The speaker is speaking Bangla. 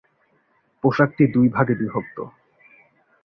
পোশাকটি দুই ভাগে বিভক্ত।